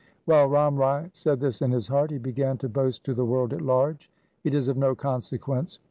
While Ram Rai said this in his heart, he began to boast to the world at large —' It is of no consequence.